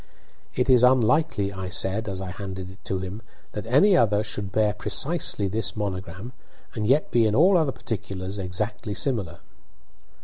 "It is unlikely," I said, as I handed it to him, "that any other should bear precisely this monogram, and yet be in all other particulars exactly similar."